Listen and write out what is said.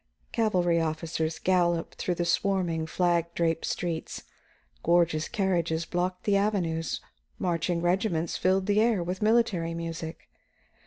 Cavalry officers galloped through the swarming, flag draped streets, gorgeous carriages blocked the avenues, marching regiments filled the air with military music.